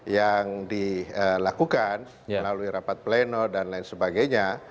yang dilakukan melalui rapat pleno dan lain sebagainya